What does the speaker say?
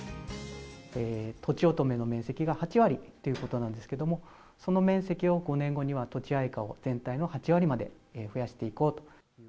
とちおとめの面積が８割ということなんですけれども、その面積を、５年後にはとちあいかを全体の８割まで増やしていこうと。